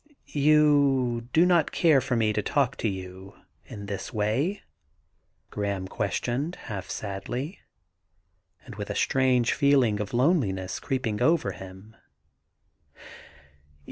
*You do not care for me to talk to you in this way?' Graham questioned half sadly, and with a strange feeling of loneliness creeping over him.